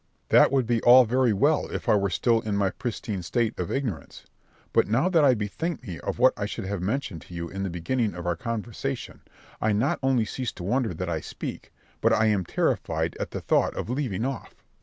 That would be all very well if I were still in my pristine state of ignorance; but now that I bethink me of what I should have mentioned to you in the beginning of our conversation, I not only cease to wonder that I speak, but I am terrified at the thought of leaving off.